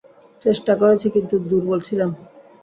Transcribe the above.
চেষ্টা করেছি, কিন্তু দুর্বল ছিলাম।